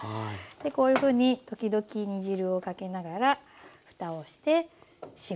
こういうふうに時々煮汁をかけながらふたをして４５分蒸し煮します。